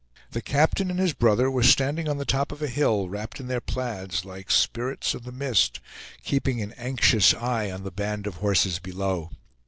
The captain and his brother were standing on the top of a hill, wrapped in their plaids, like spirits of the mist, keeping an anxious eye on the band of horses below.